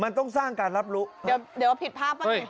มันต้องสร้างการรับรู้เดี๋ยวเดี๋ยวผิดภาพบ้างสิ